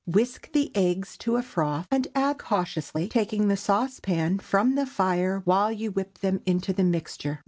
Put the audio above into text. Whisk the eggs to a froth, and add cautiously, taking the saucepan from the fire while you whip them into the mixture.